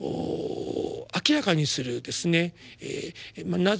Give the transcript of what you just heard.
明らかにするまあ